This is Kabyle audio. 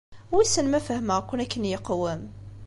Wissen ma fehmeɣ-ken akken yeqwem.